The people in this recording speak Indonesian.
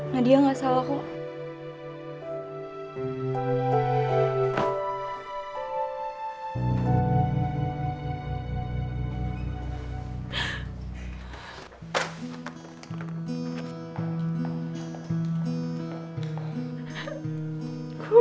nadia gak salah kok